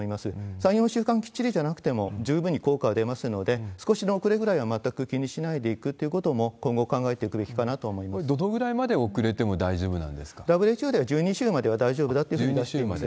３、４週間きっちりじゃなくても、十分に効果は出ますので、少しの遅れぐらいは全く気にしないでいくってことも今後考えていこれ、どのぐらいまで遅れてＷＨＯでは、１２週までは大丈夫だというふうにいわれています。